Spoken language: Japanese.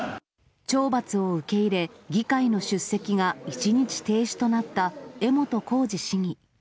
懲罰を受け入れ、議会の出席が１日停止となった江本浩二市議。